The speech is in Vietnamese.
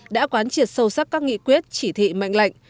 đã quán triệt sâu sắc các nghị quyết chỉ thị mệnh lệnh